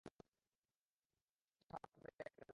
সাহায্য করতে পেরে আমি আনন্দিত।